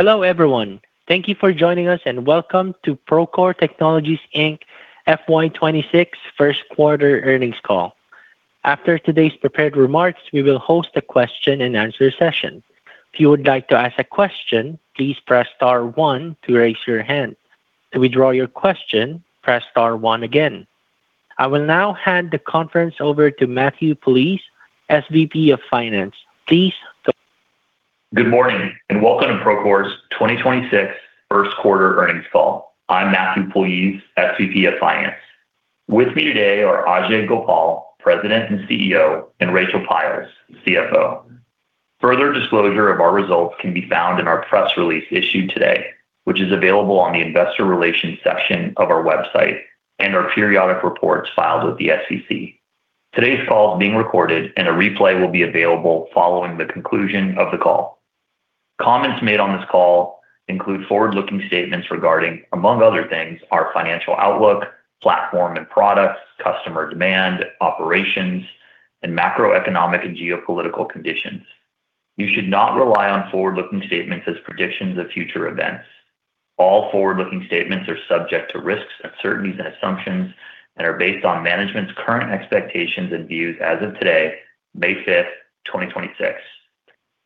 Hello, everyone. Thank you for joining us, and welcome to Procore Technologies, Inc. FY 2026 first quarter earnings call. After today's prepared remarks, we will host a question-and-answer session. If you would like to ask a question, please press star one to raise your hand. To withdraw your question, press star one again. I will now hand the conference over to Matthew Puljiz, SVP of Finance. Good morning, welcome to Procore's 2026 first quarter earnings call. I'm Matthew Puljiz, SVP of Finance. With me today are Ajei Gopal, President and CEO, and Rachel Pyles, CFO. Further disclosure of our results can be found in our press release issued today, which is available on the Investor Relations section of our website and our periodic reports filed with the SEC. Today's call is being recorded, and a replay will be available following the conclusion of the call. Comments made on this call include forward-looking statements regarding, among other things, our financial outlook, platform and products, customer demand, operations, and macroeconomic and geopolitical conditions. You should not rely on forward-looking statements as predictions of future events. All forward-looking statements are subject to risks, uncertainties and assumptions, and are based on management's current expectations and views as of today, May 5th, 2026.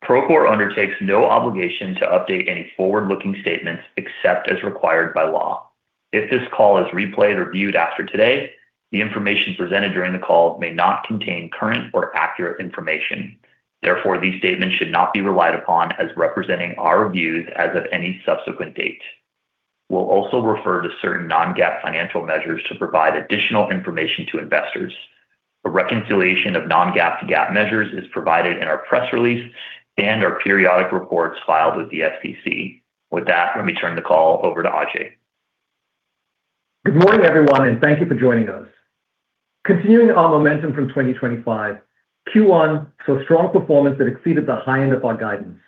Procore undertakes no obligation to update any forward-looking statements except as required by law. If this call is replayed or viewed after today, the information presented during the call may not contain current or accurate information. Therefore, these statements should not be relied upon as representing our views as of any subsequent date. We'll also refer to certain non-GAAP financial measures to provide additional information to investors. A reconciliation of non-GAAP to GAAP measures is provided in our press release and our periodic reports filed with the SEC. With that, let me turn the call over to Ajei. Good morning, everyone, and thank you for joining us. Continuing our momentum from 2025, Q1 saw strong performance that exceeded the high end of our guidance.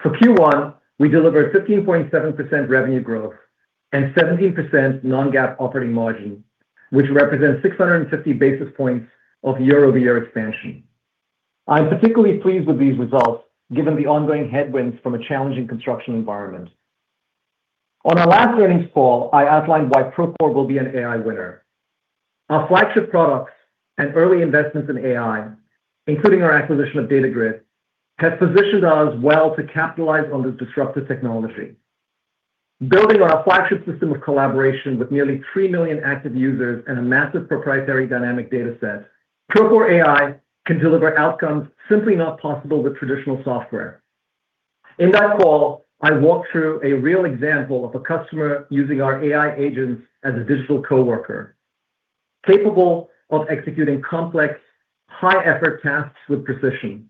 For Q1, we delivered 15.7% revenue growth and 17% non-GAAP operating margin, which represents 650 basis points of year-over-year expansion. I'm particularly pleased with these results given the ongoing headwinds from a challenging construction environment. On our last earnings call, I outlined why Procore will be an AI winner. Our flagship products and early investments in AI, including our acquisition of Datagrid, has positioned us well to capitalize on this disruptive technology. Building on our flagship system of collaboration with nearly 3 million active users and a massive proprietary dynamic data set, Procore AI can deliver outcomes simply not possible with traditional software. In that call, I walked through a real example of a customer using our AI agents as a digital coworker, capable of executing complex, high-effort tasks with precision,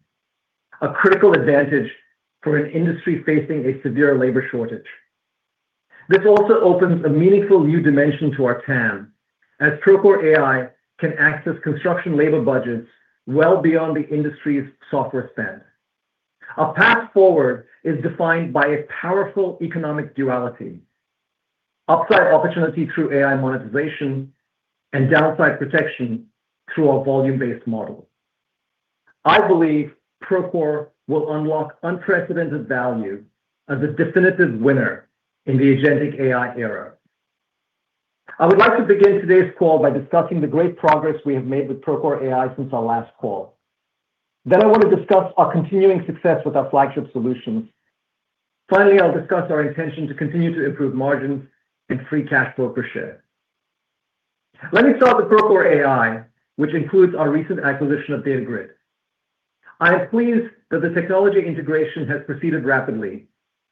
a critical advantage for an industry facing a severe labor shortage. This also opens a meaningful new dimension to our TAM, as Procore AI can access construction labor budgets well beyond the industry's software spend. Our path forward is defined by a powerful economic duality: upside opportunity through AI monetization and downside protection through our volume-based model. I believe Procore will unlock unprecedented value as a definitive winner in the agentic AI era. I would like to begin today's call by discussing the great progress we have made with Procore AI since our last call. Then I want to discuss our continuing success with our flagship solutions. Finally, I'll discuss our intention to continue to improve margins and free cash flow per share. Let me start with Procore AI, which includes our recent acquisition of Datagrid. I am pleased that the technology integration has proceeded rapidly,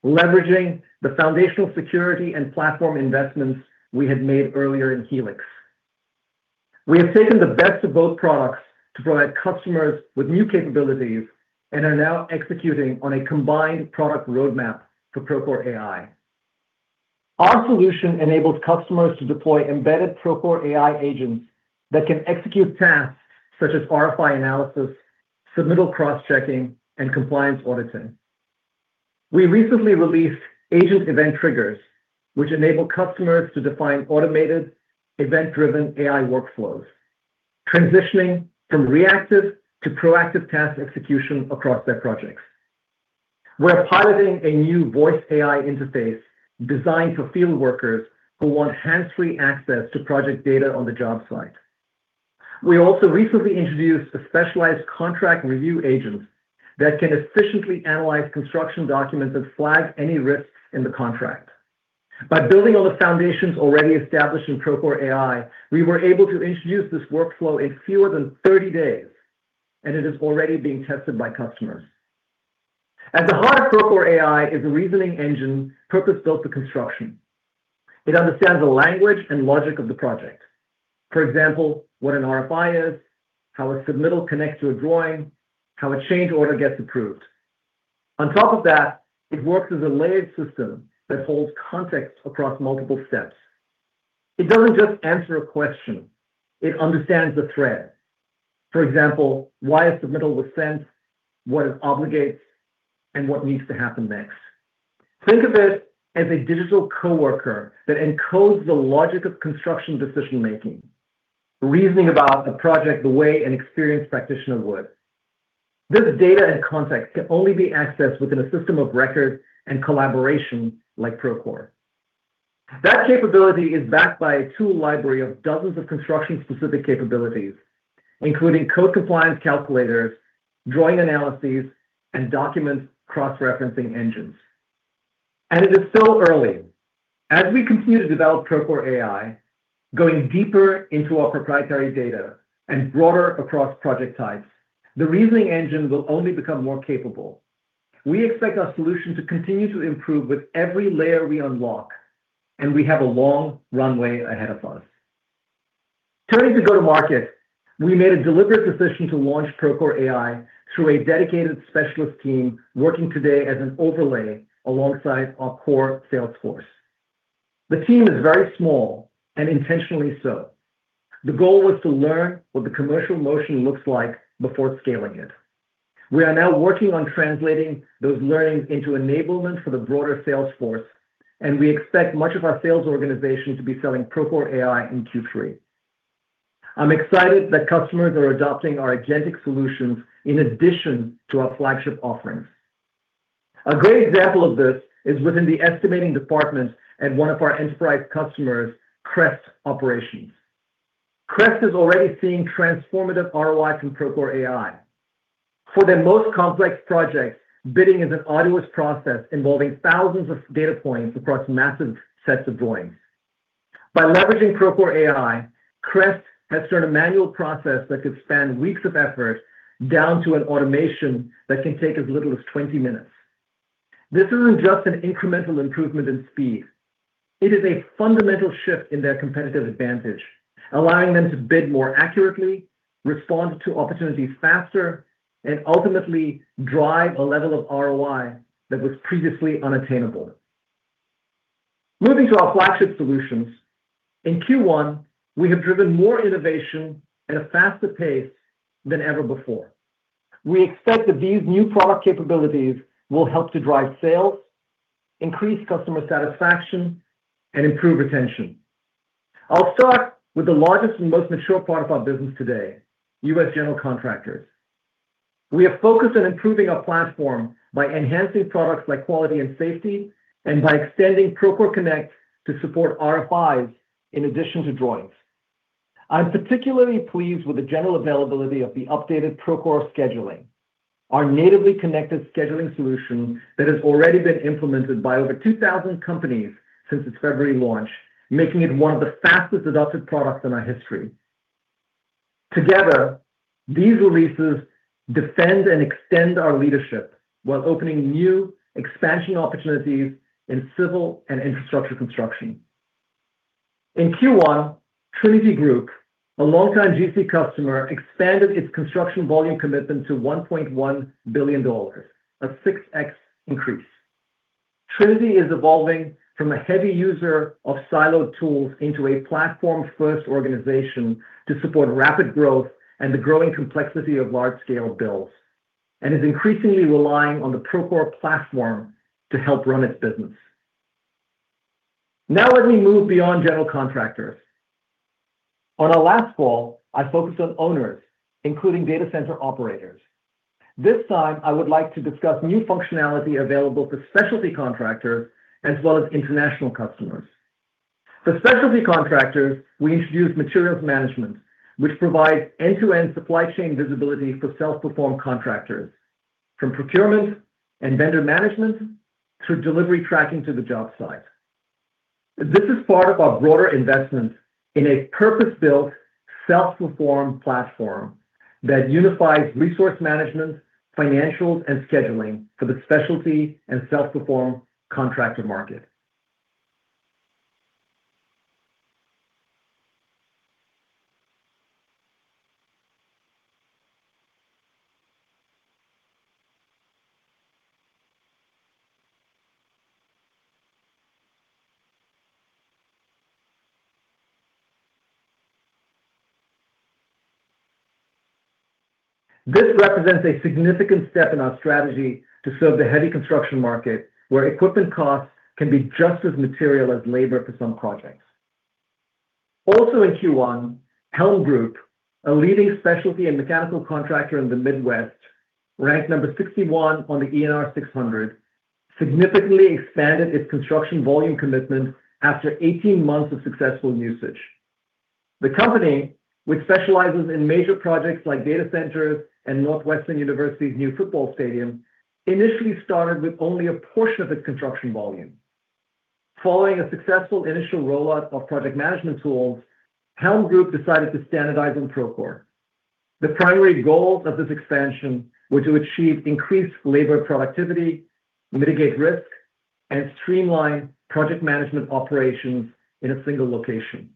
leveraging the foundational security and platform investments we had made earlier in Helix. We have taken the best of both products to provide customers with new capabilities and are now executing on a combined product roadmap for Procore AI. Our solution enables customers to deploy embedded Procore AI agents that can execute tasks such as RFI analysis, submittal cross-checking, and compliance auditing. We recently released agent event triggers, which enable customers to define automated event-driven AI workflows, transitioning from reactive to proactive task execution across their projects. We're piloting a new voice AI interface designed for field workers who want hands-free access to project data on the job site. We also recently introduced a specialized contract review agent that can efficiently analyze construction documents and flag any risks in the contract. By building on the foundations already established in Procore AI, we were able to introduce this workflow in fewer than 30 days, and it is already being tested by customers. At the heart of Procore AI is a reasoning engine purpose-built for construction. It understands the language and logic of the project. For example, what an RFI is, how a submittal connects to a drawing, how a change order gets approved. On top of that, it works as a layered system that holds context across multiple steps. It doesn't just answer a question, it understands the thread. For example, why a submittal was sent, what it obligates, and what needs to happen next. Think of it as a digital coworker that encodes the logic of construction decision-making. Reasoning about a project the way an experienced practitioner would. This data and context can only be accessed within a system of record and collaboration like Procore. That capability is backed by a tool library of dozens of construction-specific capabilities, including code compliance calculators, drawing analyses, and document cross-referencing engines. It is still early. As we continue to develop Procore AI, going deeper into our proprietary data and broader across project types, the reasoning engine will only become more capable. We expect our solution to continue to improve with every layer we unlock, and we have a long runway ahead of us. Turning to go-to-market, we made a deliberate decision to launch Procore AI through a dedicated specialist team working today as an overlay alongside our core sales force. The team is very small and intentionally so. The goal was to learn what the commercial motion looks like before scaling it. We are now working on translating those learnings into enablement for the broader sales force, and we expect much of our sales organization to be selling Procore AI in Q3. I'm excited that customers are adopting our agentic solutions in addition to our flagship offerings. A great example of this is within the estimating department at one of our enterprise customers, Crest Operations. Crest is already seeing transformative ROI from Procore AI. For their most complex projects, bidding is an arduous process involving thousands of data points across massive sets of drawings. By leveraging Procore AI, Crest has turned a manual process that could span weeks of effort down to an automation that can take as little as 20 minutes. This isn't just an incremental improvement in speed. It is a fundamental shift in their competitive advantage, allowing them to bid more accurately, respond to opportunities faster, and ultimately drive a level of ROI that was previously unattainable. Moving to our flagship solutions, in Q1, we have driven more innovation at a faster pace than ever before. We expect that these new product capabilities will help to drive sales, increase customer satisfaction, and improve retention. I'll start with the largest and most mature part of our business today, U.S. general contractors. We are focused on improving our platform by enhancing products like quality and safety and by extending Procore Connect to support RFIs in addition to drawings. I'm particularly pleased with the general availability of the updated Procore Scheduling, our natively connected scheduling solution that has already been implemented by over 2,000 companies since its February launch, making it one of the fastest adopted products in our history. Together, these releases defend and extend our leadership while opening new expansion opportunities in civil and infrastructure construction. In Q1, TRINITY Group, a longtime GC customer, expanded its construction volume commitment to $1.1 billion, a 6x increase. TRINITY is evolving from a heavy user of siloed tools into a platform-first organization to support rapid growth and the growing complexity of large-scale builds, and is increasingly relying on the Procore platform to help run its business. Now let me move beyond general contractors. On our last call, I focused on owners, including data center operators. This time, I would like to discuss new functionality available for specialty contractors as well as international customers. For specialty contractors, we introduced materials management, which provides end-to-end supply chain visibility for self-performed contractors from procurement and vendor management to delivery tracking to the job site. This is part of our broader investment in a purpose-built self-perform platform that unifies resource management, financials, and scheduling for the specialty and self-perform contractor market. This represents a significant step in our strategy to serve the heavy construction market, where equipment costs can be just as material as labor for some projects. Also in Q1, Helm Group, a leading specialty and mechanical contractor in the Midwest, ranked number 61 on the ENR Top 600, significantly expanded its construction volume commitment after 18 months of successful usage. The company, which specializes in major projects like data centers and Northwestern University's new football stadium, initially started with only a portion of its construction volume. Following a successful initial rollout of project management tools, Helm Group decided to standardize on Procore. The primary goals of this expansion were to achieve increased labor productivity, mitigate risk, and streamline project management operations in a single location.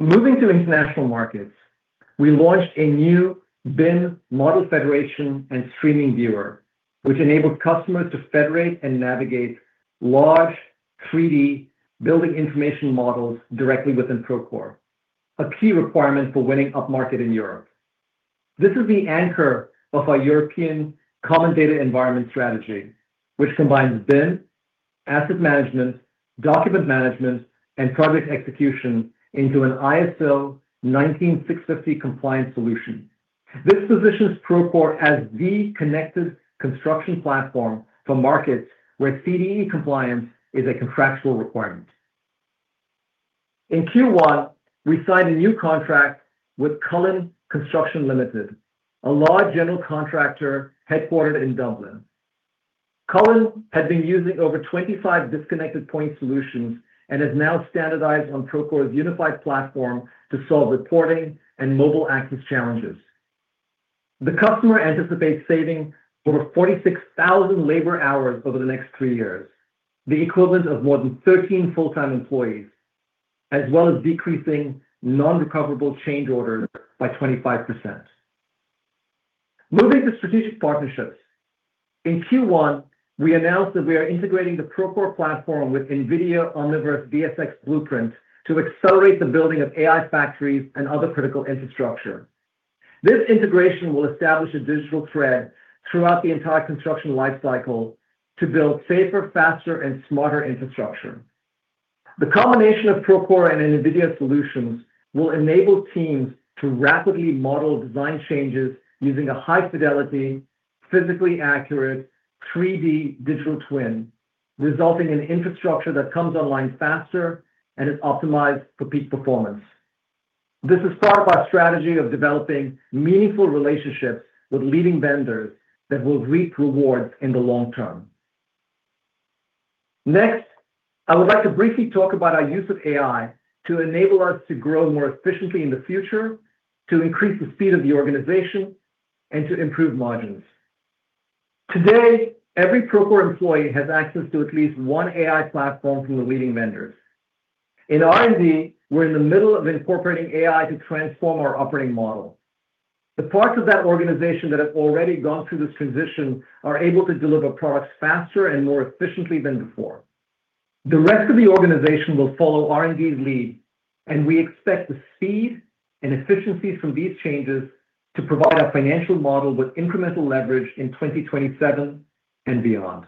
Moving to international markets, we launched a new BIM Model Federation and Streaming Viewer, which enabled customers to federate and navigate large 3D building information models directly within Procore, a key requirement for winning upmarket in Europe. This is the anchor of our European Common Data Environment strategy, which combines BIM, asset management, document management, and project execution into an ISO 19650 compliance solution. This positions Procore as the connected construction platform for markets where CDE compliance is a contractual requirement. In Q1, we signed a new contract with Cullen Construction Limited, a large general contractor headquartered in Dublin. Cullen had been using over 25 disconnected point solutions and has now standardized on Procore's unified platform to solve reporting and mobile access challenges. The customer anticipates saving over 46,000 labor hours over the next three years, the equivalent of more than 13 full-time employees, as well as decreasing non-recoverable change orders by 25%. Moving to strategic partnerships, in Q1, we announced that we are integrating the Procore platform with NVIDIA Omniverse DSX Blueprint to accelerate the building of AI factories and other critical infrastructure. This integration will establish a digital thread throughout the entire construction life cycle to build safer, faster, and smarter infrastructure. The combination of Procore and NVIDIA solutions will enable teams to rapidly model design changes using a high-fidelity, physically accurate 3D digital twin, resulting in infrastructure that comes online faster and is optimized for peak performance. This is part of our strategy of developing meaningful relationships with leading vendors that will reap rewards in the long term. I would like to briefly talk about our use of AI to enable us to grow more efficiently in the future, to increase the speed of the organization, and to improve margins. Today, every Procore employee has access to at least one AI platform from the leading vendors. In R&D, we're in the middle of incorporating AI to transform our operating model. The parts of that organization that have already gone through this transition are able to deliver products faster and more efficiently than before. The rest of the organization will follow R&D's lead. We expect the speed and efficiencies from these changes to provide our financial model with incremental leverage in 2027 and beyond.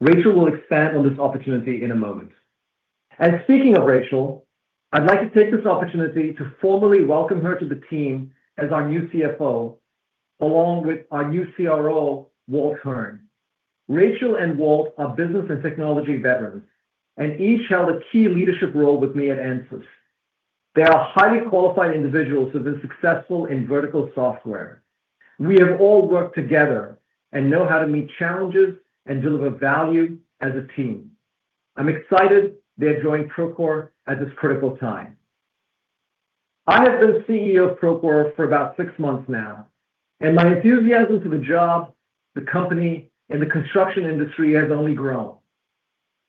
Rachel will expand on this opportunity in a moment. Speaking of Rachel, I'd like to take this opportunity to formally welcome her to the team as our new CFO, along with our new CRO, Walt Hearn. Rachel and Walt are business and technology veterans, and each held a key leadership role with me at Ansys. They are highly qualified individuals who have been successful in vertical software. We have all worked together and know how to meet challenges and deliver value as a team. I'm excited they have joined Procore at this critical time. I have been CEO of Procore for about six months now, and my enthusiasm for the job, the company, and the construction industry has only grown.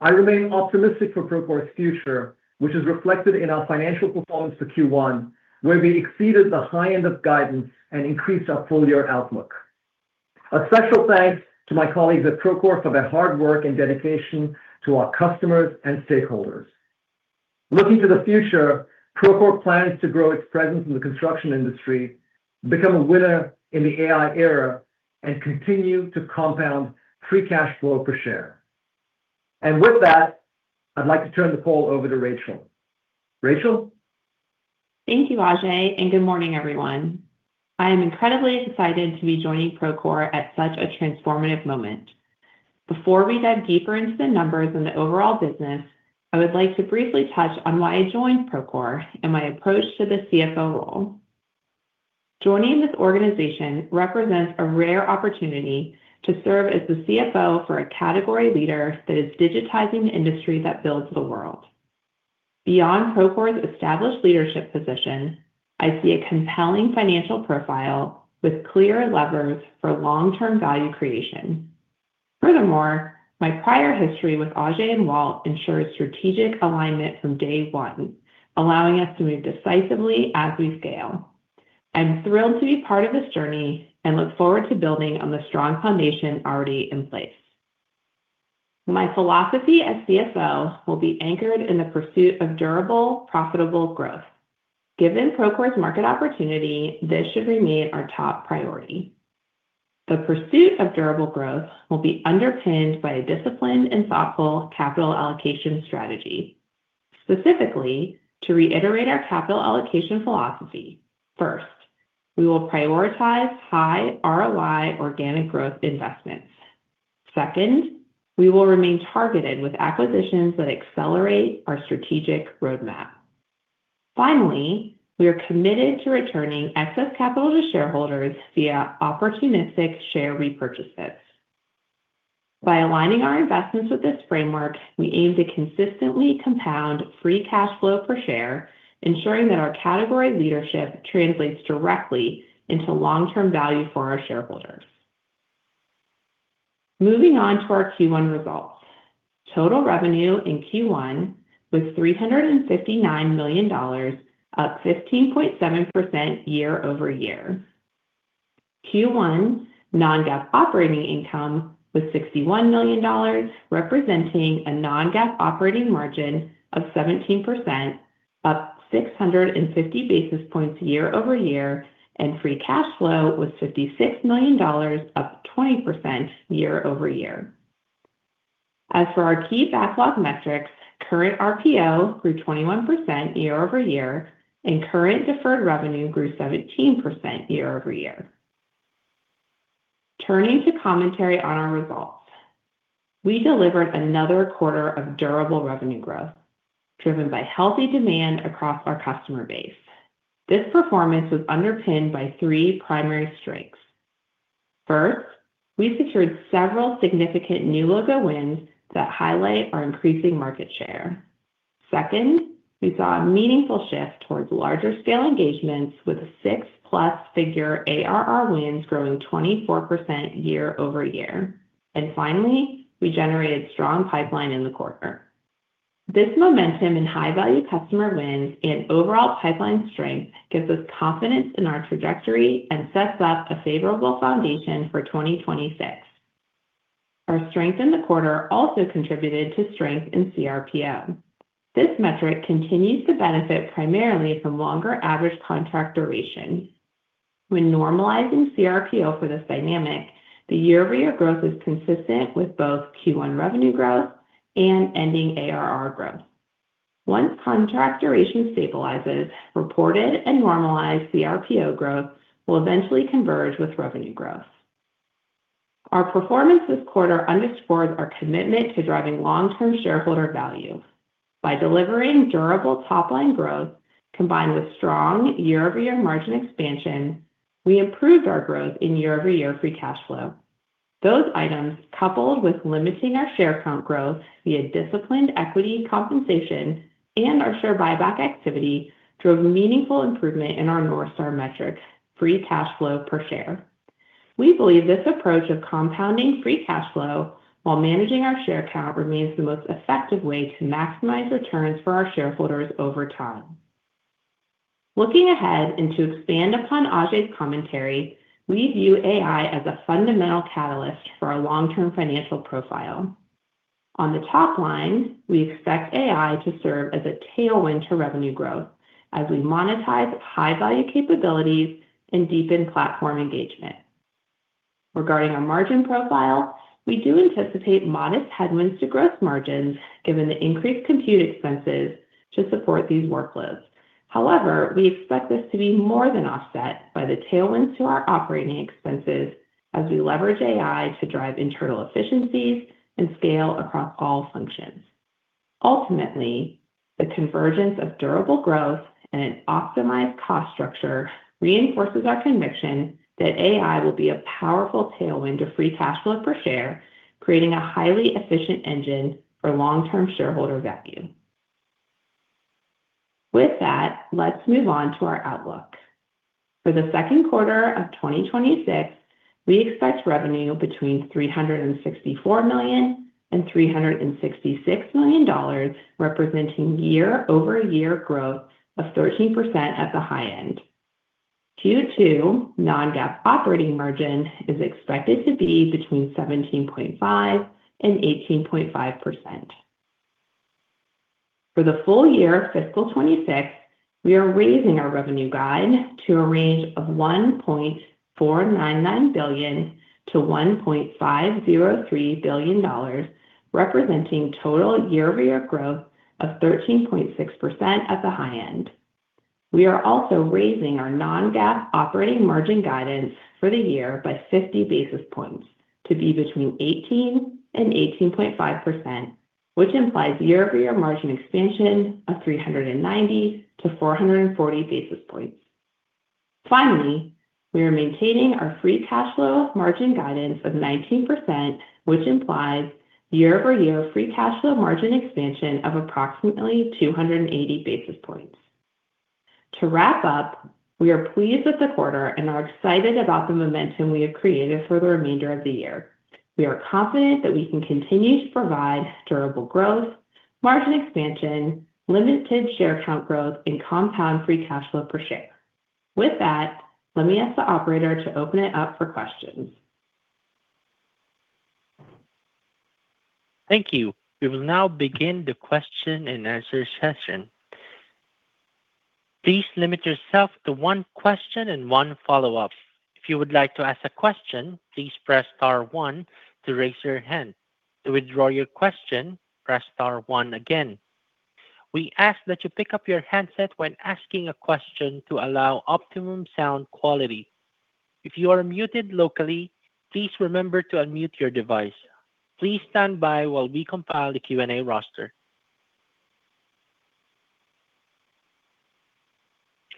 I remain optimistic for Procore's future, which is reflected in our financial performance for Q1, where we exceeded the high end of guidance and increased our full-year outlook. A special thanks to my colleagues at Procore for their hard work and dedication to our customers and stakeholders. Looking to the future, Procore plans to grow its presence in the construction industry, become a winner in the AI era, and continue to compound free cash flow per share. With that, I'd like to turn the call over to Rachel. Rachel? Thank you, Ajei, and good morning, everyone. I am incredibly excited to be joining Procore at such a transformative moment. Before we dive deeper into the numbers and the overall business, I would like to briefly touch on why I joined Procore and my approach to the CFO role. Joining this organization represents a rare opportunity to serve as the CFO for a category leader that is digitizing the industry that builds the world. Beyond Procore's established leadership position, I see a compelling financial profile with clear levers for long-term value creation. Furthermore, my prior history with Ajei and Walt ensures strategic alignment from day one, allowing us to move decisively as we scale. I'm thrilled to be part of this journey and look forward to building on the strong foundation already in place. My philosophy as CFO will be anchored in the pursuit of durable, profitable growth. Given Procore's market opportunity, this should remain our top priority. The pursuit of durable growth will be underpinned by a disciplined and thoughtful capital allocation strategy. Specifically, to reiterate our capital allocation philosophy, first, we will prioritize high ROI organic growth investments. Second, we will remain targeted with acquisitions that accelerate our strategic roadmap. Finally, we are committed to returning excess capital to shareholders via opportunistic share repurchases. By aligning our investments with this framework, we aim to consistently compound free cash flow per share, ensuring that our category leadership translates directly into long-term value for our shareholders. Moving on to our Q1 results. Total revenue in Q1 was $359 million, up 15.7% year-over-year. Q1 non-GAAP operating income was $61 million, representing a non-GAAP operating margin of 17%, up 650 basis points year-over-year, and free cash flow was $56 million, up 20% year-over-year. As for our key backlog metrics, current RPO grew 21% year-over-year, and current deferred revenue grew 17% year-over-year. Turning to commentary on our results. We delivered another quarter of durable revenue growth, driven by healthy demand across our customer base. This performance was underpinned by three primary strengths. First, we secured several significant new logo wins that highlight our increasing market share. Second, we saw a meaningful shift towards larger scale engagements with six-plus figure ARR wins growing 24% year-over-year. Finally, we generated strong pipeline in the quarter. This momentum in high-value customer wins and overall pipeline strength gives us confidence in our trajectory and sets up a favorable foundation for 2026. Our strength in the quarter also contributed to strength in cRPO. This metric continues to benefit primarily from longer average contract duration. When normalizing cRPO for this dynamic, the year-over-year growth is consistent with both Q1 revenue growth and ending ARR growth. Once contract duration stabilizes, reported and normalized cRPO growth will eventually converge with revenue growth. Our performance this quarter underscores our commitment to driving long-term shareholder value. By delivering durable top-line growth combined with strong year-over-year margin expansion, we improved our growth in year-over-year free cash flow. Those items, coupled with limiting our share count growth via disciplined equity compensation and our share buyback activity, drove meaningful improvement in our North Star metric, free cash flow per share. We believe this approach of compounding free cash flow while managing our share count remains the most effective way to maximize returns for our shareholders over time. Looking ahead, and to expand upon Ajei's commentary, we view AI as a fundamental catalyst for our long-term financial profile. On the top line, we expect AI to serve as a tailwind to revenue growth as we monetize high-value capabilities and deepen platform engagement. Regarding our margin profile, we do anticipate modest headwinds to gross margins given the increased compute expenses to support these workloads. However, we expect this to be more than offset by the tailwinds to our operating expenses as we leverage AI to drive internal efficiencies and scale across all functions. Ultimately, the convergence of durable growth and an optimized cost structure reinforces our conviction that AI will be a powerful tailwind to free cash flow per share, creating a highly efficient engine for long-term shareholder value. With that, let's move on to our outlook. For the second quarter of 2026, we expect revenue between $364 million and $366 million, representing year-over-year growth of 13% at the high end. Q2 non-GAAP operating margin is expected to be between 17.5% and 18.5%. For the full-year fiscal 2026, we are raising our revenue guide to a range of $1.499 billion-$1.503 billion, representing total year-over-year growth of 13.6% at the high end. We are also raising our non-GAAP operating margin guidance for the year by 50 basis points to be between 18% and 18.5%, which implies year-over-year margin expansion of 390 to 440 basis points. Finally, we are maintaining our free cash flow margin guidance of 19%, which implies year-over-year free cash flow margin expansion of approximately 280 basis points. To wrap up, we are pleased with the quarter and are excited about the momentum we have created for the remainder of the year. We are confident that we can continue to provide durable growth, margin expansion, limited share count growth, and compound free cash flow per share. With that, let me ask the operator to open it up for questions. Thank you. We will now begin the question-and-answer session. Please limit yourself to one question and one follow-up. If you would like to ask a question, please press star one to raise your hand. To withdraw your question, press star one again. We ask that you pick up your handset when asking a question to allow optimum sound quality. If you are muted locally, please remember to unmute your device. Please stand by while we compile the Q&A roster.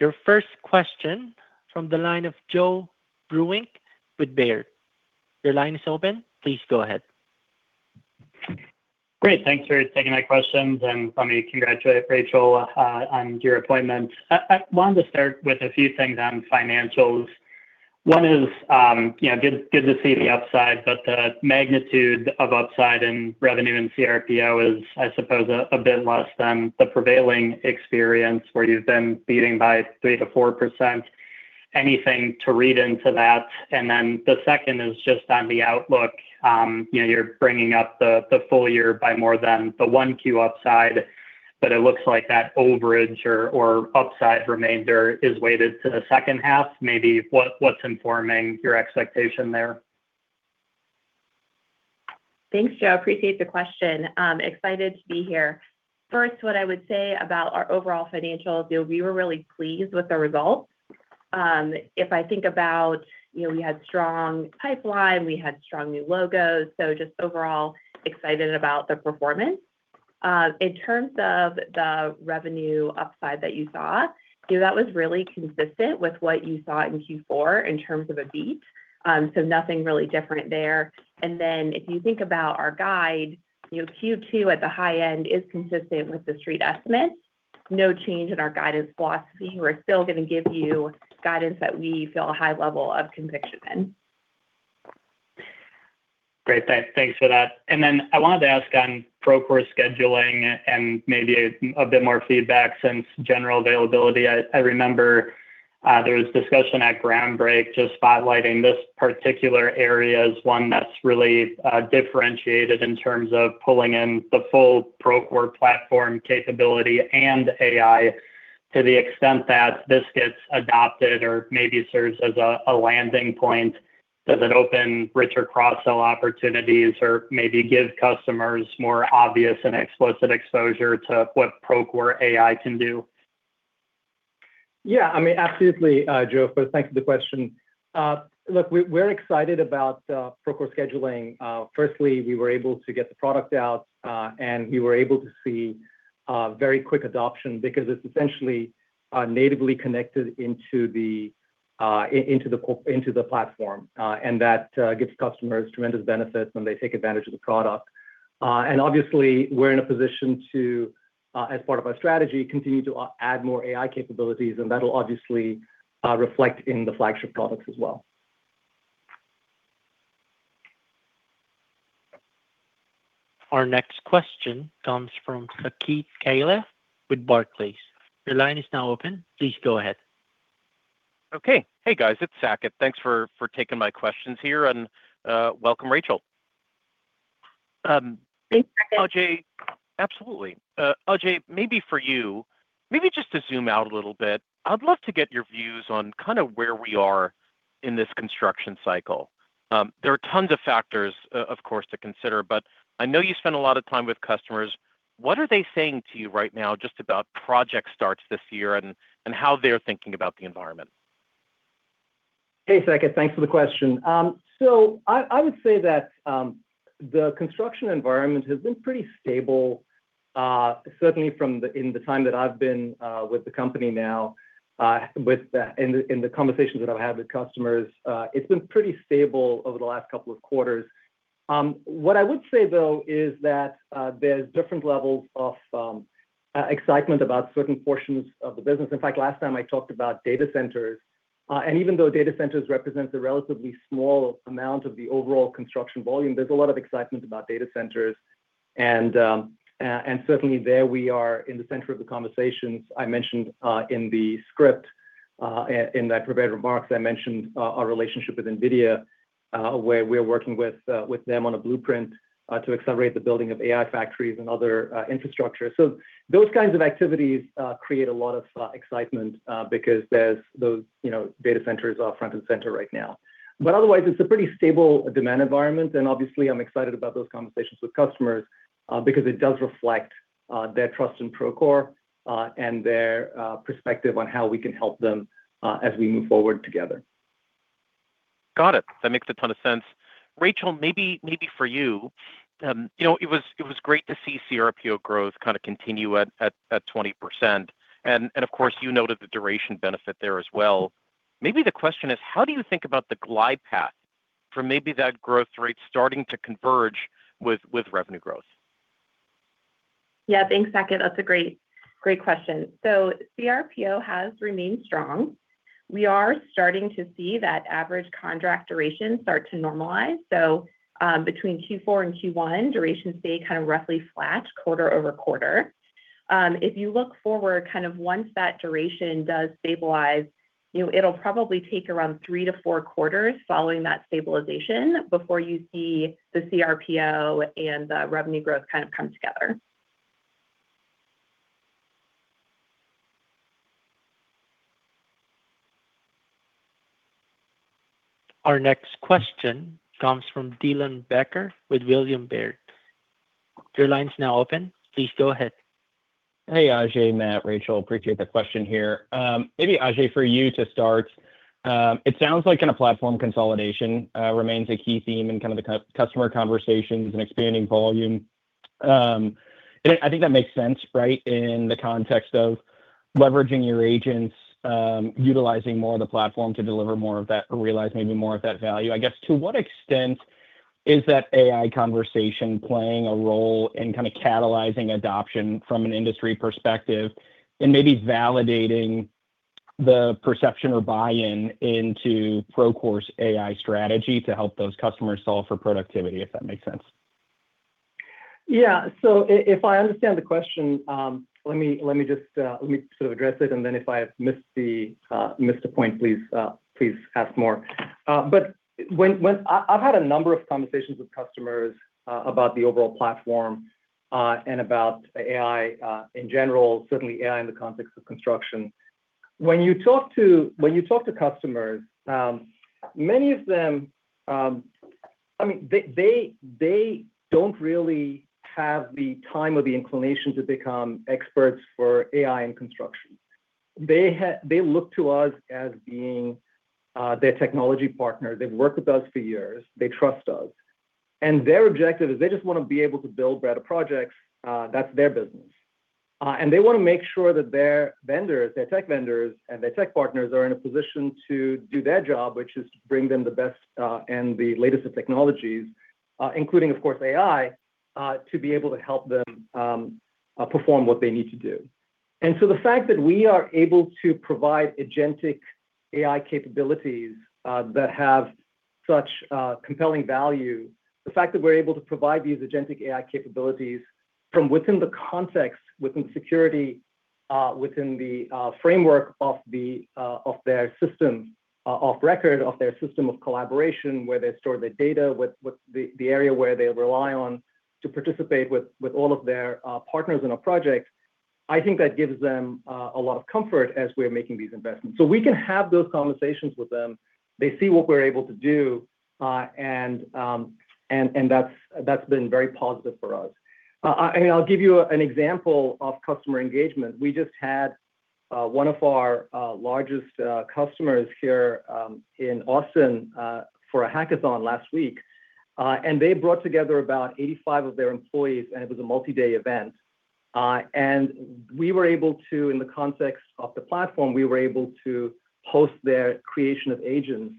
Your first question from the line of Joe Vruwink with Baird. Your line is open. Please go ahead. Great, thanks for taking my questions. Let me congratulate Rachel on your appointment. I wanted to start with a few things on financials. One is, you know, good to see the upside, the magnitude of upside in revenue and cRPO is, I suppose, a bit less than the prevailing experience where you've been beating by 3%-4%. Anything to read into that? The second is on the outlook. You know, you're bringing up the full-year by more than the 1Q upside, but it looks like that overage or upside remainder is weighted to the second half. Maybe what's informing your expectation there? Thanks, Joe. Appreciate the question. I'm excited to be here. First, what I would say about our overall financials, you know, we were really pleased with the results. If I think about, you know, we had strong pipeline, we had strong new logos, so just overall excited about the performance. In terms of the revenue upside that you saw, you know, that was really consistent with what you saw in Q4 in terms of a beat. Nothing really different there. If you think about our guide, you know, Q2 at the high end is consistent with the street estimate. No change in our guidance philosophy. We're still gonna give you guidance that we feel a high level of conviction in. Great, thanks for that. Then, I wanted to ask on Procore Scheduling and maybe a bit more feedback since general availability. I remember there was discussion at Groundbreak just spotlighting this particular area as one that's really differentiated in terms of pulling in the full Procore platform capability and AI to the extent that this gets adopted or maybe serves as a landing point. Does it open richer cross-sell opportunities or maybe give customers more obvious and explicit exposure to what Procore AI can do? I mean, absolutely, Joe. First, thank you for the question. Look, we're excited about Procore Scheduling. Firstly, we were able to get the product out, and we were able to see very quick adoption because it's essentially natively connected into the platform. That gives customers tremendous benefits when they take advantage of the product. Obviously we're in a position to, as part of our strategy, continue to add more AI capabilities, and that'll obviously reflect in the flagship products as well. Our next question comes from Saket Kalia with Barclays. Your line is now open. Please go ahead. Okay. Hey guys, it's Saket. Thanks for taking my questions here and welcome Rachel. Thanks for having me. Absolutely. Ajei, maybe for you, maybe just to zoom out a little bit, I'd love to get your views on kind of where we are in this construction cycle. There are tons of factors, of course, to consider, but I know you spend a lot of time with customers. What are they saying to you right now just about project starts this year and how they're thinking about the environment? Hey, Saket. Thanks for the question. I would say that the construction environment has been pretty stable, certainly from the time that I've been with the company now, with the conversations that I've had with customers. It's been pretty stable over the last couple of quarters. What I would say though is that there's different levels of excitement about certain portions of the business. In fact, last time I talked about data centers, and even though data centers represents a relatively small amount of the overall construction volume, there's a lot of excitement about data centers and certainly there we are in the center of the conversations. I mentioned, in the script, in the prepared remarks, I mentioned, our relationship with NVIDIA, where we are working with them on a Blueprint, to accelerate the building of AI factories and other infrastructure. Those kinds of activities create a lot of excitement, because there's those, you know, data centers are front and center right now. Otherwise, it's a pretty stable demand environment, and obviously I'm excited about those conversations with customers, because it does reflect their trust in Procore, and their perspective on how we can help them, as we move forward together. Got it. That makes a ton of sense. Rachel, maybe for you know, it was great to see cRPO growth kind of continue at 20% and of course, you noted the duration benefit there as well. Maybe the question is, how do you think about the glide path for maybe that growth rate starting to converge with revenue growth? Yeah, thanks, Saket. That's a great question. cRPO has remained strong. We are starting to see that average contract duration start to normalize. Between Q4 and Q1, durations stay kind of roughly flat quarter-over-quarter. If you look forward, kind of once that duration does stabilize, you know, it'll probably take around three to four quarters following that stabilization before you see the cRPO and the revenue growth kind of come together. Our next question comes from Dylan Becker with William Blair. Your line's now open. Please go ahead. Hey, Ajei, Matt, Rachel, appreciate the question here. Maybe, Ajei, for you to start. It sounds like in a platform consolidation remains a key theme in kind of the customer conversations and expanding volume. I think that makes sense, right, in the context of leveraging your agents, utilizing more of the platform to deliver more of that or realize maybe more of that value. I guess, to what extent is that AI conversation playing a role in kind of catalyzing adoption from an industry perspective and maybe validating the perception or buy-in into Procore's AI strategy to help those customers solve for productivity, if that makes sense? Yeah. If I understand the question, let me just, let me sort of address it, then if I've missed the, missed a point, please ask more. When I've had a number of conversations with customers about the overall platform, and about AI, in general, certainly AI in the context of construction. When you talk to customers, many of them, I mean, they don't really have the time or the inclination to become experts for AI in construction. They look to us as being, their technology partner. They've worked with us for years, they trust us. Their objective is they just wanna be able to build better projects, that's their business. They wanna make sure that their vendors, their tech vendors and their tech partners are in a position to do their job, which is to bring them the best and the latest of technologies, including, of course, AI, to be able to help them perform what they need to do. The fact that we are able to provide agentic AI capabilities that have such compelling value, the fact that we're able to provide these agentic AI capabilities from within the context, within security, within the framework of their system, off record of their system of collaboration, where they store their data, with the area where they rely on to participate with all of their partners in a project, I think that gives them a lot of comfort as we're making these investments. We can have those conversations with them. They see what we're able to do, and that's been very positive for us. I'll give you an example of customer engagement. We just had one of our largest customers here in Austin for a hackathon last week. They brought together about 85 of their employees, and it was a multi-day event. We were able to, in the context of the platform, we were able to host their creation of agents.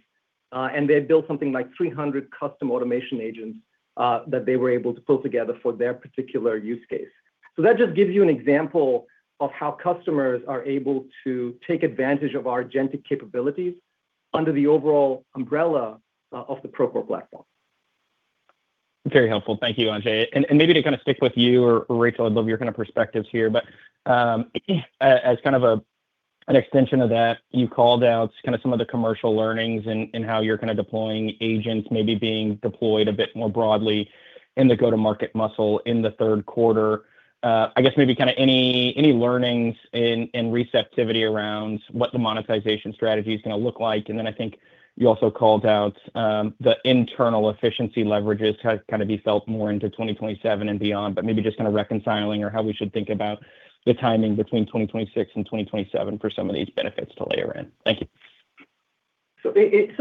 They had built something like 300 custom automation agents that they were able to pull together for their particular use case. That just gives you an example of how customers are able to take advantage of our agentic capabilities under the overall umbrella of the Procore platform. Very helpful. Thank you, Ajei. Maybe to stick with you or Rachel, I'd love your perspectives here. As an extension of that, you called out some of the commercial learnings and how you're deploying agents maybe being deployed a bit more broadly in the go-to-market muscle in the third quarter. I guess maybe any learnings in receptivity around what the monetization strategy is going to look like? I think you also called out the internal efficiency leverages be felt more into 2027 and beyond, but maybe just reconciling or how we should think about the timing between 2026 and 2027 for some of these benefits to layer in. Thank you.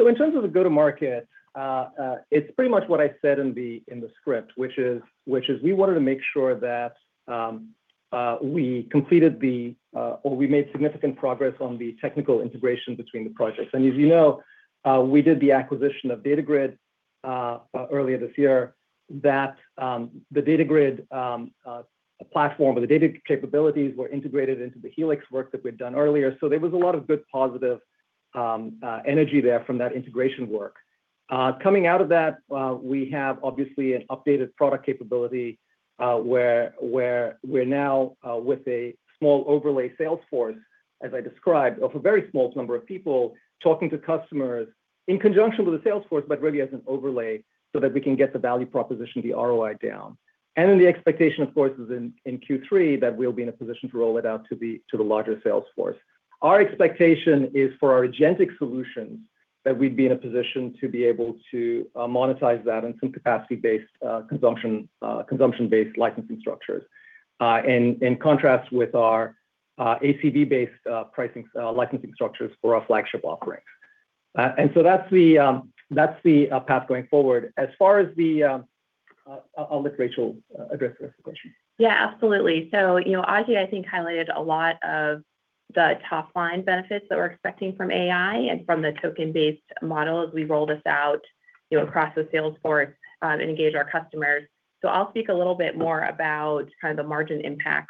In terms of the go-to-market, it's pretty much what I said in the script, which is we wanted to make sure that we completed the or we made significant progress on the technical integration between the projects. As you know, we did the acquisition of Datagrid earlier this year. That the Datagrid platform or the data capabilities were integrated into the Helix work that we'd done earlier. There was a lot of good positive energy there from that integration work. Coming out of that, we have obviously an updated product capability, where we're now with a small overlay sales force, as I described, of a very small number of people talking to customers in conjunction with the sales force, but really as an overlay so that we can get the value proposition, the ROI down. Then the expectation, of course, is in Q3 that we'll be in a position to roll it out to the larger sales force. Our expectation is for our agentic solutions that we'd be in a position to be able to monetize that in some capacity-based, consumption-based licensing structures, in contrast with our ACV-based pricing, licensing structures for our flagship offerings. So that's the, that's the path going forward. As far as the, I'll let Rachel address this question. Yeah, absolutely. You know, Ajei, I think, highlighted a lot of the top line benefits that we're expecting from AI and from the token-based model as we roll this out, you know, across the sales force and engage our customers. I'll speak a little bit more about kind of the margin impact.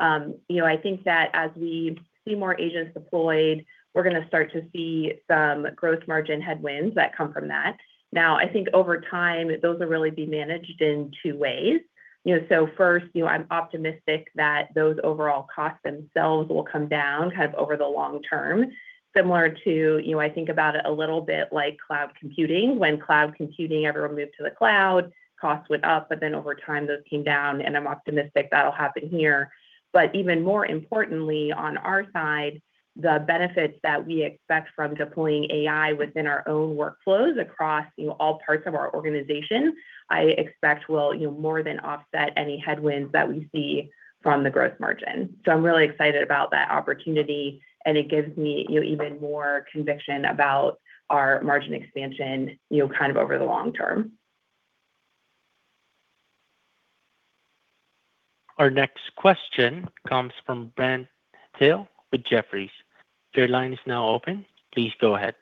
You know, I think that as we see more agents deployed, we're gonna start to see some gross margin headwinds that come from that. I think over time, those will really be managed in two ways. You know, first, you know, I'm optimistic that those overall costs themselves will come down kind of over the long term. Similar to, you know, I think about it a little bit like cloud computing. When cloud computing, everyone moved to the cloud, cost went up, but then over time, those came down, and I'm optimistic that'll happen here. Even more importantly, on our side, the benefits that we expect from deploying AI within our own workflows across, you know, all parts of our organization, I expect will, you know, more than offset any headwinds that we see from the gross margin. I'm really excited about that opportunity, and it gives me, you know, even more conviction about our margin expansion, you know, kind of over the long term. Our next question comes from Brent Thill with Jefferies. Your line is now open. Please go ahead.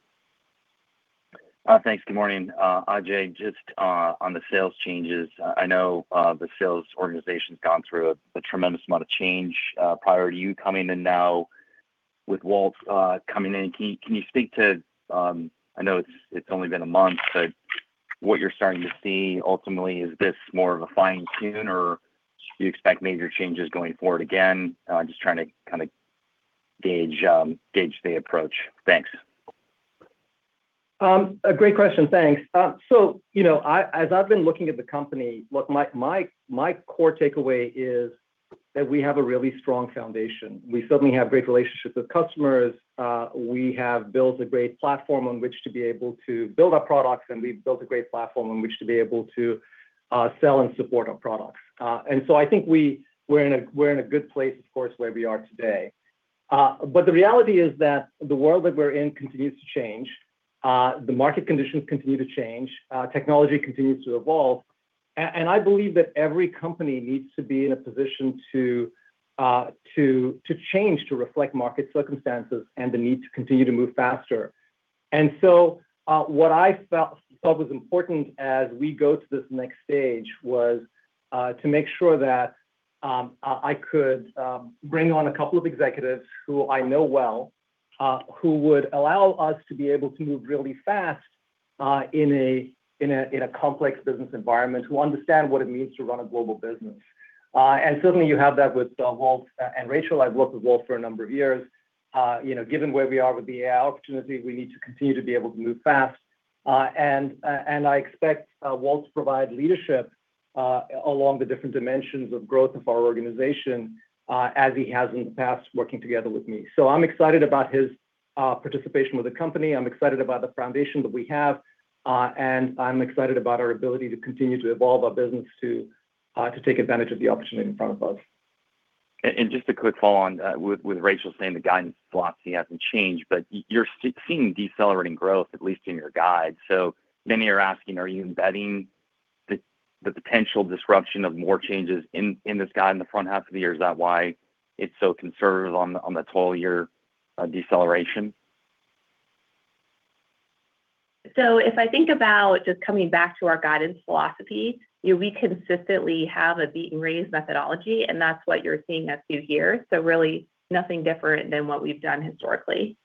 Thanks, good morning. Ajei, just on the sales changes, I know the sales organization's gone through a tremendous amount of change prior to you coming in now. With Walt coming in, can you speak to, I know it's only been a month, but what you're starting to see ultimately, is this more of a fine tune or do you expect major changes going forward again? Just trying to kind of gauge the approach. Thanks. A great question, thanks. You know, as I've been looking at the company, my core takeaway is that we have a really strong foundation. We certainly have great relationships with customers. We have built a great platform on which to be able to build our products, and we've built a great platform on which to be able to sell and support our products. I think we're in a good place, of course, where we are today. The reality is that the world that we're in continues to change. The market conditions continue to change. Technology continues to evolve. I believe that every company needs to be in a position to change to reflect market circumstances and the need to continue to move faster. What I felt was important as we go to this next stage was to make sure that I could bring on a couple of executives who I know well, who would allow us to be able to move really fast in a complex business environment, who understand what it means to run a global business. Certainly you have that with Walt and Rachel. I've worked with Walt for a number of years. You know, given where we are with the opportunity, we need to continue to be able to move fast. I expect Walt to provide leadership along the different dimensions of growth of our organization, as he has in the past working together with me. I'm excited about his participation with the company. I'm excited about the foundation that we have, and I'm excited about our ability to continue to evolve our business to take advantage of the opportunity in front of us. Just a quick follow on, with Rachel saying the guidance philosophy hasn't changed, but you're seeing decelerating growth, at least in your guide. Many are asking, are you embedding the potential disruption of more changes in this guide in the front half of the year? Is that why it's so conservative on the total year deceleration? If I think about just coming back to our guidance philosophy, you know, we consistently have a beat and raise methodology, that's what you're seeing us do here. Really nothing different than what we've done historically.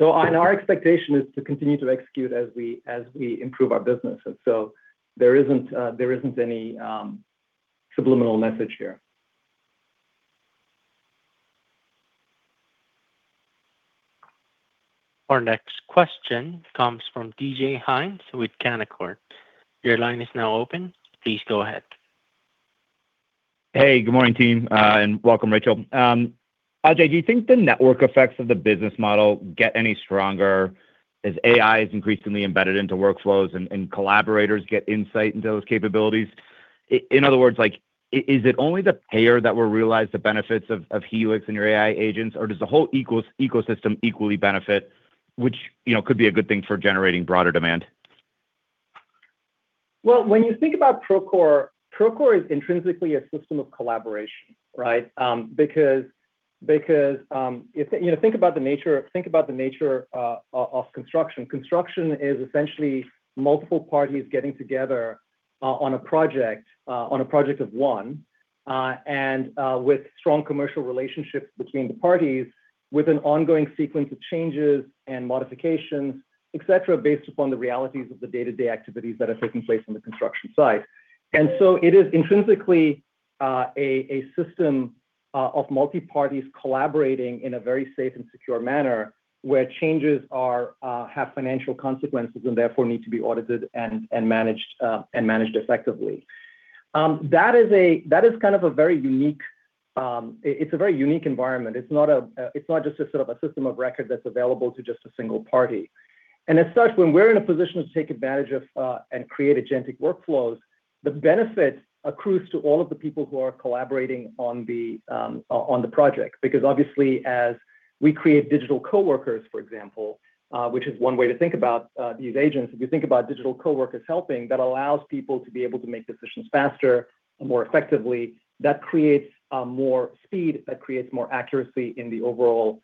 Our expectation is to continue to execute as we improve our business. There isn't any subliminal message here. Our next question comes from D.J. Hynes with Canaccord. Your line is now open. Please go ahead. Good morning, team, and welcome Rachel. Ajei, do you think the network effects of the business model get any stronger as AI is increasingly embedded into workflows and collaborators get insight into those capabilities? In other words, like is it only the payer that will realize the benefits of Helix and your AI agents, or does the whole ecosystem equally benefit, which, you know, could be a good thing for generating broader demand? Well, when you think about Procore is intrinsically a system of collaboration, right? Because, you know, think about the nature of construction. Construction is essentially multiple parties getting together on a project of one with strong commercial relationships between the parties with an ongoing sequence of changes and modifications, etc, based upon the realities of the day-to-day activities that are taking place on the construction site. It is intrinsically a system of multi-parties collaborating in a very safe and secure manner where changes are have financial consequences and therefore need to be audited and managed effectively. That is kind of a very unique, it's a very unique environment. It's not a, it's not just a sort of a system of record that's available to just a single party. As such, when we're in a position to take advantage of and create agentic workflows, the benefit accrues to all of the people who are collaborating on the project. Obviously, as we create digital coworkers, for example, which is one way to think about these agents. If you think about digital coworkers helping, that allows people to be able to make decisions faster and more effectively. That creates more speed. That creates more accuracy in the overall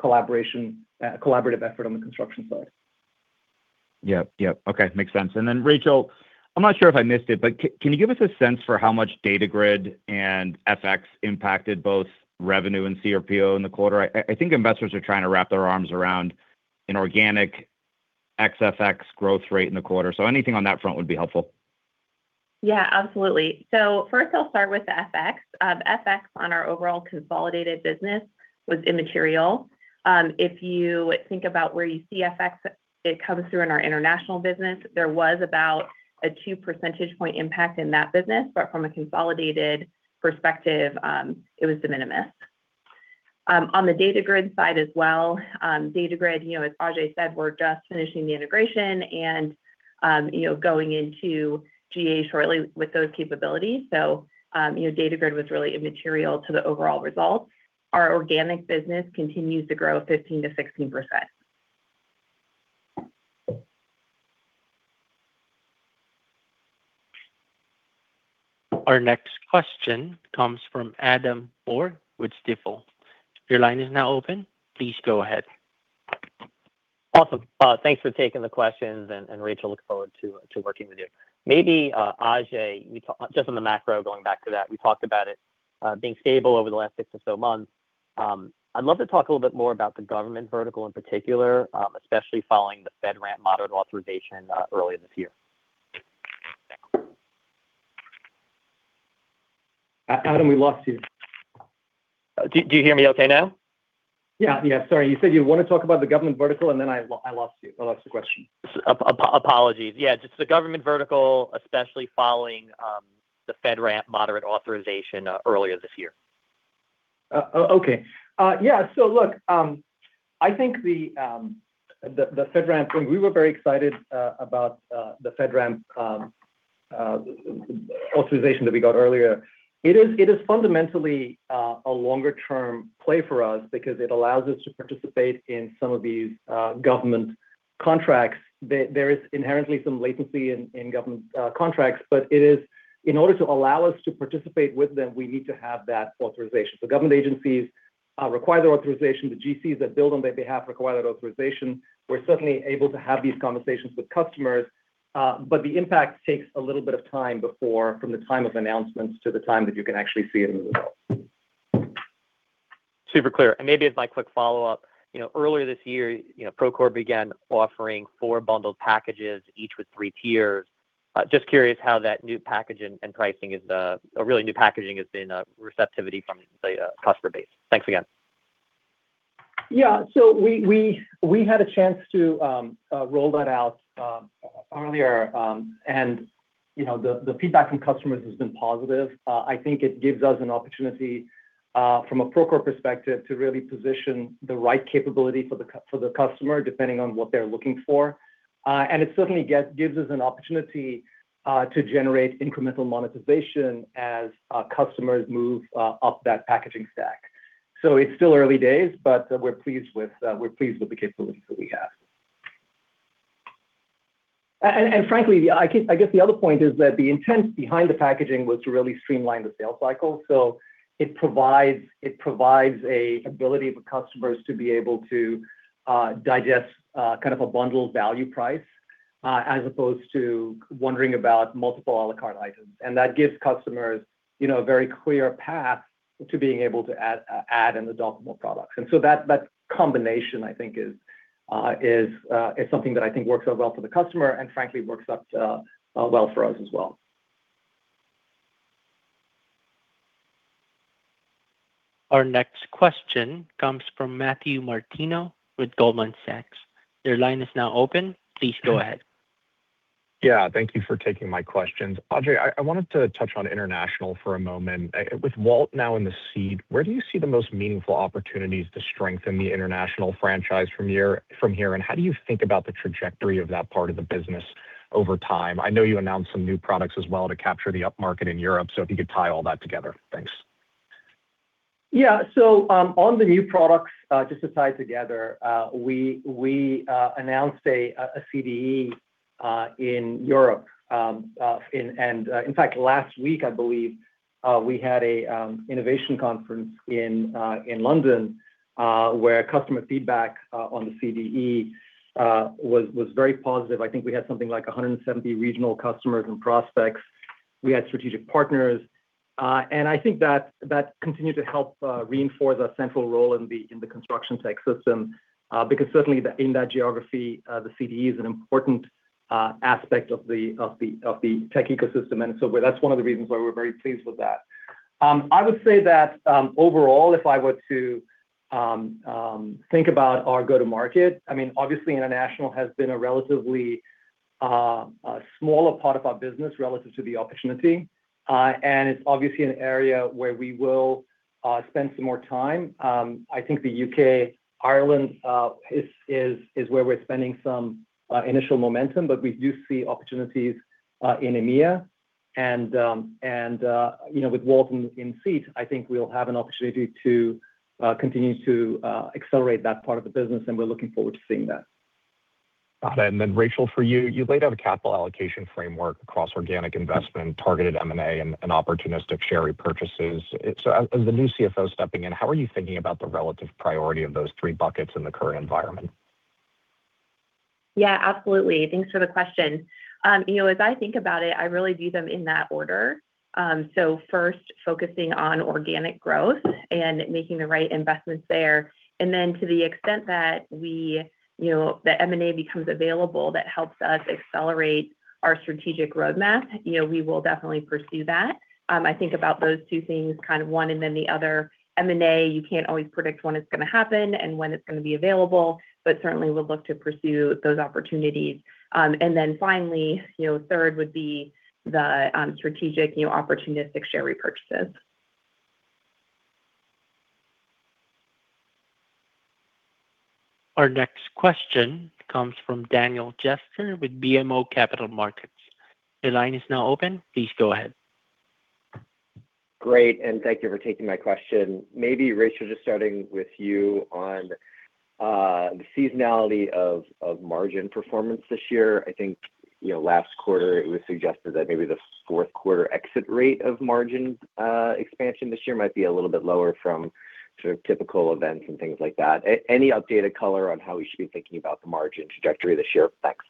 collaboration, collaborative effort on the construction side. Yep. Okay, makes sense. Then, Rachel, I'm not sure if I missed it, but can you give us a sense for how much Datagrid and FX impacted both revenue and cRPO in the quarter? I think investors are trying to wrap their arms around an organic ex-FX growth rate in the quarter. Anything on that front would be helpful. Yeah, absolutely. First I'll start with FX. FX on our overall consolidated business was immaterial. If you think about where you see FX, it comes through in our international business. There was about 2 percentage point impact in that business, but from a consolidated perspective, it was de minimis. On the Datagrid side as well, Datagrid, you know, as Ajei said, we're just finishing the integration and, you know, going into GA shortly with those capabilities. Datagrid was really immaterial to the overall results. Our organic business continues to grow 15%-16%. Our next question comes from Adam Borg with Stifel. Your line is now open. Please go ahead. Awesome. Thanks for taking the questions. Rachel, look forward to working with you. Maybe, Ajei, just on the macro, going back to that, we talked about it being stable over the last six or so months. I'd love to talk a little bit more about the government vertical in particular, especially following the FedRAMP moderate authorization earlier this year. Adam, we lost you. Do you hear me okay now? Yeah, sorry. You said you wanna talk about the government vertical, and then I lost you. I lost the question. Apologies. Yeah, just the government vertical, especially following the FedRAMP moderate authorization earlier this year. Okay. Yeah, so look, I think the FedRAMP thing, we were very excited about the FedRAMP authorization that we got earlier. It is fundamentally a longer term play for us because it allows us to participate in some of these government contracts. There is inherently some latency in government contracts, but in order to allow us to participate with them, we need to have that authorization. Government agencies require the authorization. The GCs that build on their behalf require that authorization. We're certainly able to have these conversations with customers, but the impact takes a little bit of time before, from the time of announcements to the time that you can actually see it in the results. Super clear. Maybe as my quick follow-up, you know, earlier this year, you know, Procore began offering four bundled packages, each with three tiers. Just curious how that new packaging and pricing is, or really new packaging has been, receptivity from the customer base. Thanks again. We had a chance to roll that out earlier. And, you know, the feedback from customers has been positive. I think it gives us an opportunity from a Procore perspective to really position the right capability for the customer, depending on what they're looking for. And it certainly gives us an opportunity to generate incremental monetization as customers move up that packaging stack. It's still early days, but we're pleased with the capabilities that we have. And frankly, the other point is that the intent behind the packaging was to really streamline the sales cycle. It provides a ability for customers to be able to digest kind of a bundled value price as opposed to wondering about multiple à la carte items. That gives customers, you know, a very clear path to being able to add and adopt more products. That combination, I think, is something that I think works out well for the customer and frankly works out well for us as well. Our next question comes from Matthew Martino with Goldman Sachs. Your line is now open. Please go ahead. Yeah, thank you for taking my questions. Ajei, I wanted to touch on international for a moment. With Walt now in the seat, where do you see the most meaningful opportunities to strengthen the international franchise from here? How do you think about the trajectory of that part of the business over time? I know you announced some new products as well to capture the upmarket in Europe, if you could tie all that together. Thanks. On the new products, just to tie it together, we announced a CDE in Europe. In fact, last week, I believe, we had a innovation conference in London where customer feedback on the CDE was very positive. I think we had something like 170 regional customers and prospects. We had strategic partners. I think that continued to help reinforce our central role in the construction tech system. Because certainly in that geography, the CDE is an important aspect of the tech ecosystem. That's one of the reasons why we're very pleased with that. I would say that, overall, if I were to think about our go-to-market, I mean, obviously international has been a relatively smaller part of our business relative to the opportunity. It's obviously an area where we will spend some more time. I think the U.K., Ireland, is where we're spending some initial momentum, but we do see opportunities in EMEA. You know, with Walt in seat, I think we'll have an opportunity to continue to accelerate that part of the business, and we're looking forward to seeing that. Got it. Rachel, for you laid out a capital allocation framework across organic investment, targeted M&A, and opportunistic share repurchases. As the new CFO stepping in, how are you thinking about the relative priority of those three buckets in the current environment? Yeah, absolutely. Thanks for the question. You know, as I think about it, I really view them in that order. First, focusing on organic growth and making the right investments there. To the extent that we, you know, that M&A becomes available, that helps us accelerate our strategic roadmap, you know, we will definitely pursue that. I think about those two things kind of one and then the other. M&A, you can't always predict when it's gonna happen and when it's gonna be available, but certainly we'll look to pursue those opportunities. Finally, you know, third would be the strategic, you know, opportunistic share repurchases. Our next question comes from Daniel Jester with BMO Capital Markets. Your line is now open. Please go ahead. Great, thank you for taking my question. Maybe Rachel, just starting with you on the seasonality of margin performance this year. I think, you know, last quarter it was suggested that maybe the fourth quarter exit rate of margin expansion this year might be a little bit lower from sort of typical events and things like that. Any updated color on how we should be thinking about the margin trajectory this year effects?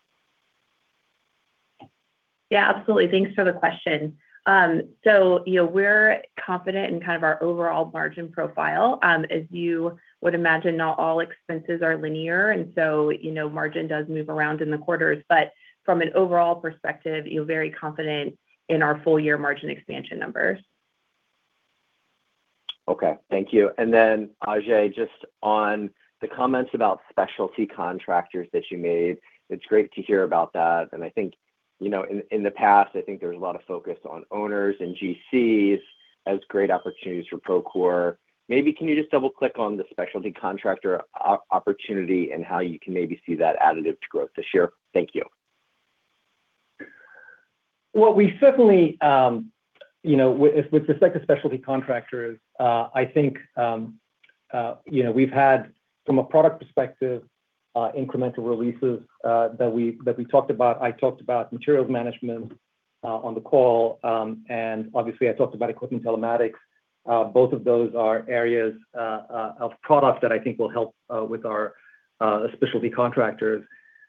Yeah, absolutely. Thanks for the question. You know, we're confident in kind of our overall margin profile. As you would imagine, not all expenses are linear. You know, margin does move around in the quarters. From an overall perspective, feel very confident in our full-year margin expansion numbers. Okay, thank you. Ajei, just on the comments about specialty contractors that you made, it's great to hear about that. I think, you know, in the past, I think there's a lot of focus on owners and GCs as great opportunities for Procore. Maybe can you just double-click on the specialty contractor opportunity and how you can maybe see that additive to growth this year? Thank you. Well, we certainly, you know, with respect to specialty contractors, I think, you know, we've had from a product perspective, incremental releases that we talked about. I talked about materials management on the call. Obviously, I talked about equipment telematics. Both of those are areas of products that I think will help with our specialty contractors.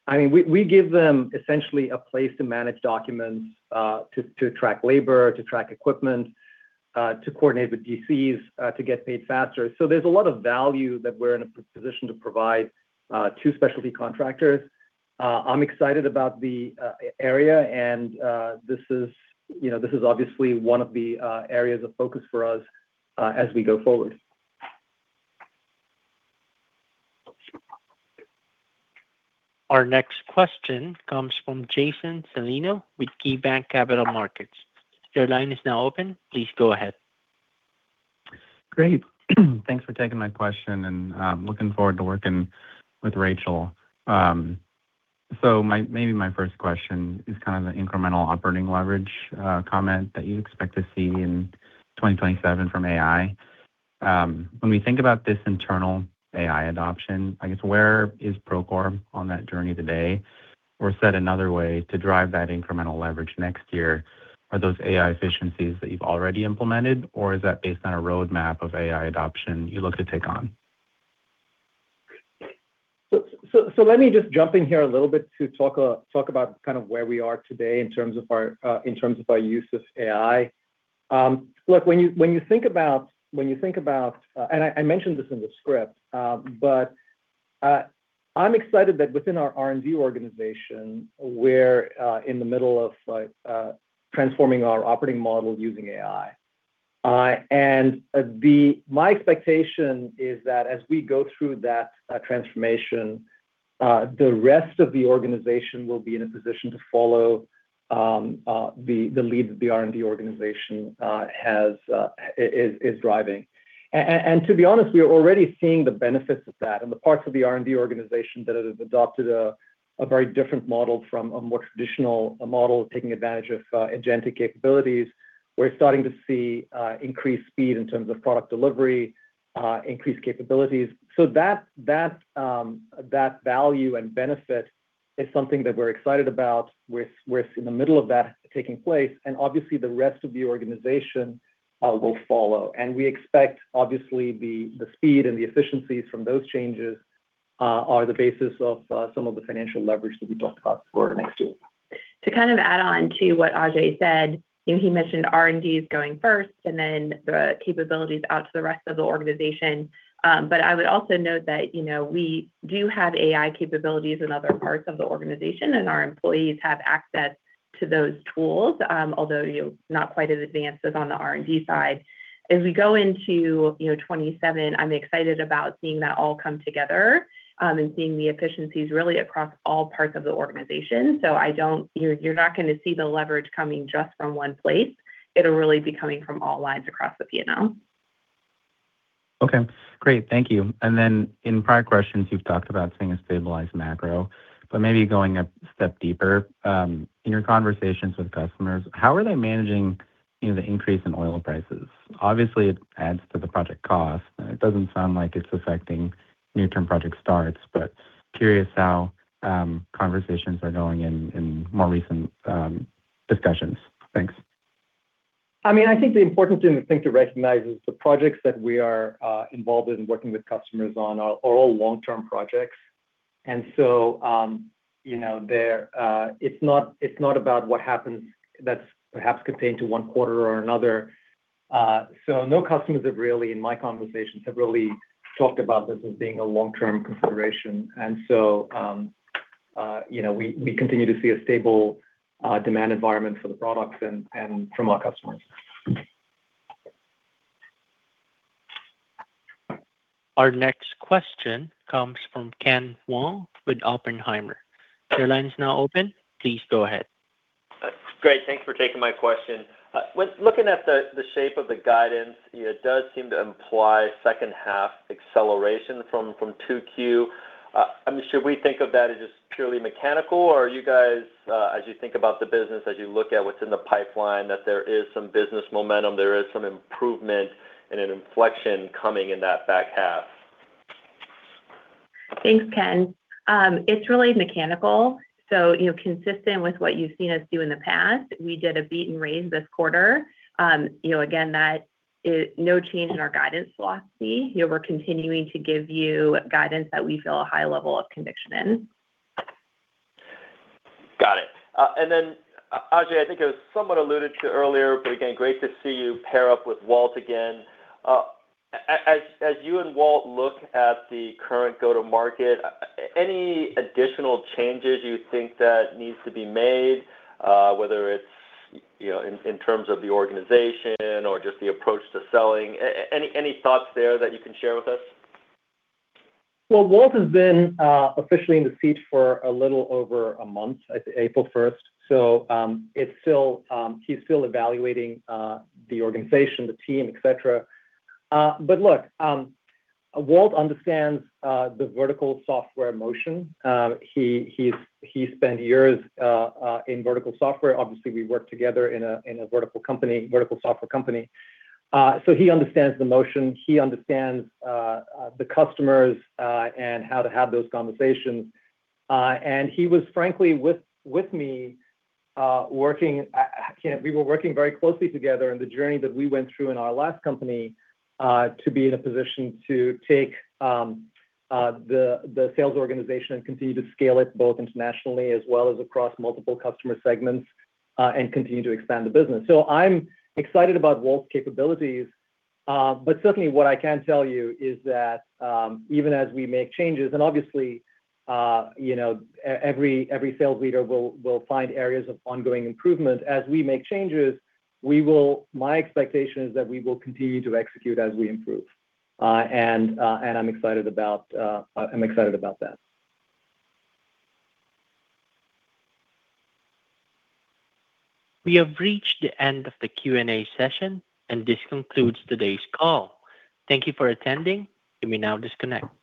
I mean, we give them essentially a place to manage documents, to track labor, to track equipment, to coordinate with GCs, to get paid faster. There's a lot of value that we're in a position to provide to specialty contractors. I'm excited about the area and this is, you know, this is obviously one of the areas of focus for us as we go forward. Our next question comes from Jason Celino with KeyBanc Capital Markets. Your line is now open. Please go ahead. Great. Thanks for taking my question and looking forward to working with Rachel. My first question is kind of the incremental operating leverage comment that you expect to see in 2027 from AI. When we think about this internal AI adoption, I guess, where is Procore on that journey today? Said another way, to drive that incremental leverage next year, are those AI efficiencies that you've already implemented, or is that based on a roadmap of AI adoption you look to take on? Let me just jump in here a little bit to talk about kind of where we are today in terms of our, in terms of our use of AI. When you think about, and I mentioned this in the script, I'm excited that within our R&D organization, we're in the middle of transforming our operating model using AI. My expectation is that as we go through that transformation, the rest of the organization will be in a position to follow the lead that the R&D organization has, is driving. To be honest, we are already seeing the benefits of that. In the parts of the R&D organization that it has adopted a very different model from a more traditional model, taking advantage of agentic capabilities, we're starting to see increased speed in terms of product delivery, increased capabilities. That value and benefit is something that we're excited about. We're in the middle of that taking place, and obviously the rest of the organization will follow. We expect, obviously, the speed and the efficiencies from those changes are the basis of some of the financial leverage that we talked about for next year. To kind of add on to what Ajei said, you know, he mentioned R&D is going first and then the capabilities out to the rest of the organization. I would also note that, you know, we do have AI capabilities in other parts of the organization, and our employees have access to those tools, although, you know, not quite as advanced as on the R&D side. As we go into, you know, 2027, I'm excited about seeing that all come together, seeing the efficiencies really across all parts of the organization. You're not gonna see the leverage coming just from one place. It'll really be coming from all lines across the P&L. Okay, great. Thank you. In prior questions, you've talked about seeing a stabilized macro, but maybe going a step deeper, in your conversations with customers, how are they managing, you know, the increase in oil prices? Obviously, it adds to the project cost, and it doesn't sound like it's affecting near-term project starts, but curious how conversations are going in more recent discussions. Thanks. I mean, I think the important thing to think to recognize is the projects that we are involved in working with customers on are all long-term projects. You know, they're it's not, it's not about what happens that's perhaps contained to one quarter or another. No customers have really, in my conversations, have really talked about this as being a long-term consideration. You know, we continue to see a stable demand environment for the products and from our customers. Our next question comes from Ken Wong with Oppenheimer. Your line is now open. Please go ahead. Great, thanks for taking my question. When looking at the shape of the guidance, it does seem to imply second half acceleration from 2Q. I mean, should we think of that as just purely mechanical, or are you guys, as you think about the business, as you look at what's in the pipeline, that there is some business momentum, there is some improvement and an inflection coming in that back half? Thanks, Ken. It's really mechanical. You know, consistent with what you've seen us do in the past. We did a beat and raise this quarter. You know, again, no change in our guidance philosophy. You know, we're continuing to give you guidance that we feel a high level of conviction in. Got it. Ajei, I think it was somewhat alluded to earlier, but again, great to see you pair up with Walt again. As you and Walt look at the current go-to-market, any additional changes you think that needs to be made, whether it's, you know, in terms of the organization or just the approach to selling? Any thoughts there that you can share with us? Walt has been officially in the seat for a little over a month, I think April 1st. It's still, he's still evaluating the organization, the team, etc. Look, Walt understands the vertical software motion. He spent years in vertical software. Obviously, we worked together in a vertical company, vertical software company. He understands the motion. He understands the customers and how to have those conversations. He was frankly with me, working again, we were working very closely together in the journey that we went through in our last company, to be in a position to take the sales organization and continue to scale it both internationally as well as across multiple customer segments, and continue to expand the business. I'm excited about Walt's capabilities. Certainly what I can tell you is that, even as we make changes, and obviously, you know, every sales leader will find areas of ongoing improvement. As we make changes, my expectation is that we will continue to execute as we improve. And I'm excited about that. We have reached the end of the Q&A session, and this concludes today's call. Thank you for attending. You may now disconnect.